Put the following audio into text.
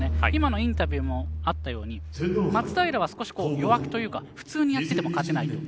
今のインタビューにもあったように松平は、少し弱気というか普通に勝ってても勝てない。